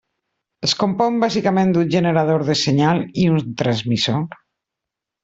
Es compon bàsicament d'un generador de senyal i un transmissor.